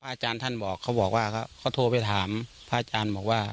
อาจารย์ท่านบอกเขาบอกว่าเขาโทรไปถามพระอาจารย์บอกว่า